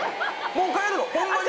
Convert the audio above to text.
もう帰るの？ホンマに。